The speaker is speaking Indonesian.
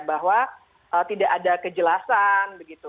bahwa tidak ada kejelasan